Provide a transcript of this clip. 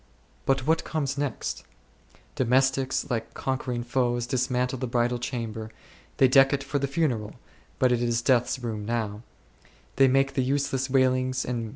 But what comes next ? Domes tics, like conquering foes, dismantle the bridal chamber ; they deck it for the funeral, but it is death's 2 room now ; they make the useless wailings3 and beatings of the hands.